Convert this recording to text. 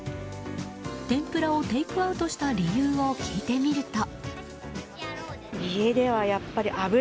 天ぷらをテイクアウトした理由を聞いてみると。